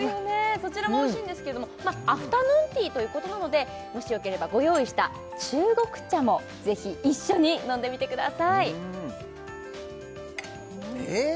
そちらもおいしいんですけどもアフタヌーンティーということなのでもしよければご用意した中国茶もぜひ一緒に飲んでみてくださいえ！？